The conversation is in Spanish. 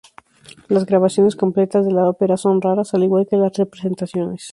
Las grabaciones completas de la ópera son raras, al igual que las representaciones.